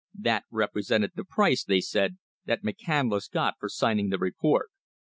That repre sented the price, they said, that McCandless got for signing the report.